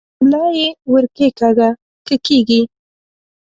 ملا یې ور کښېکاږه که کېږي؟